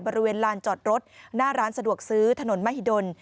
บริเวณลานจอดรถหน้าร้านสะดวกซื้อถนนมหิดล